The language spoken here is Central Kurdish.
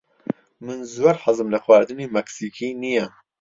من زۆر حەزم لە خواردنی مەکسیکی نییە.